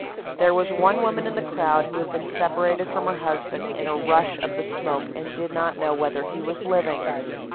"There was one woman in the crowd who had been separated from her husband in a rush of the smoke and did not know whether he was living.